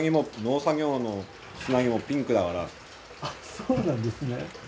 そうなんですね。